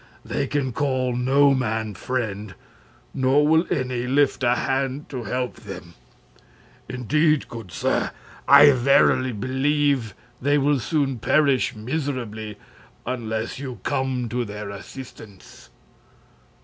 They can call no man friend, nor will any lift a hand to help them. Indeed, good sir, I verily believe they will soon perish miserably unless you come to their assistance!"